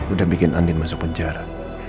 udah bikin andin masuk ke acara